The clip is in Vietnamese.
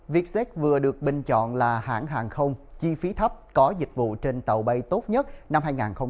vietjet vừa được bình chọn là hãng hàng không chi phí thấp có dịch vụ trên tàu bay tốt nhất năm hai nghìn hai mươi